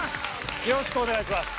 よろしくお願いします。